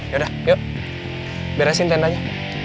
yaudah yuk beresin tendanya